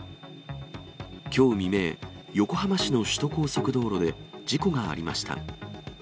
きょう未明、横浜市の首都高速道路で事故がありました。